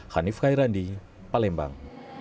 hanif khairandi palembang